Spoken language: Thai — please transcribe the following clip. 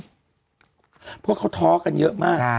เพราะเขาท้อกันเยอะมาก